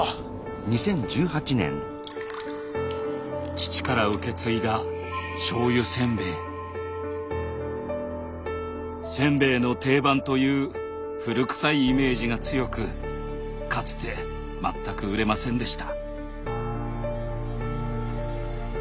父から受け継いだ「せんべいの定番」という古くさいイメージが強くかつて全く売れませんでした。